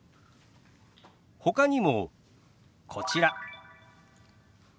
ほかにもこちら。